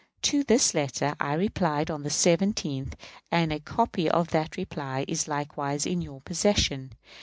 To this letter I replied on the 17th, and a copy of that reply is likewise in your possession.